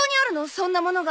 そんなものが。